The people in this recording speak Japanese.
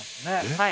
はい。